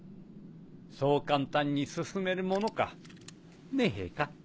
そう簡単に進めるものかねぇ陛下。